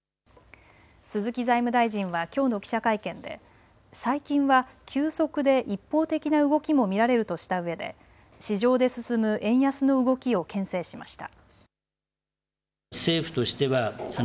鈴木財務大臣はきょうの記者会見で最近は急速で一方的な動きも見られるとしたうえで市場で進む円安の動きをけん制しました。